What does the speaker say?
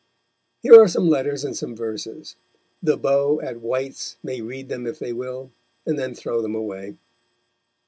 Here are some letters and some verses; the beaux at White's may read them if they will, and then throw them away.